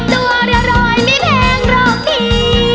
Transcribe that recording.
ตัวละร้อยไม่แพงหรอกพี่